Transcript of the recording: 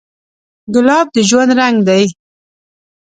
ګلاب د ژوند رنګ دی.